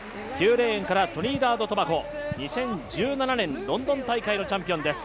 ９レーンからトリニダード・トバゴ、２０１７年ロンドン大会のチャンピオンです。